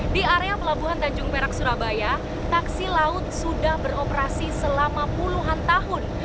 di area pelabuhan tanjung perak surabaya taksi laut sudah beroperasi selama puluhan tahun